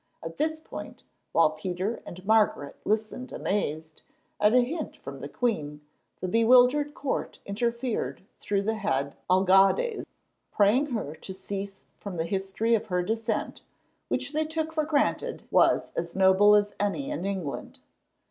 At this point, while Peter and Margaret listened amazed, at a hint from the queen, the bewildered court interfered through the head alcalde, praying her to cease from the history of her descent, which they took for granted was as noble as any in England.